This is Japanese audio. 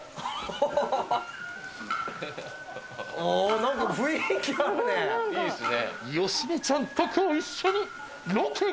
なんか雰囲気あるね。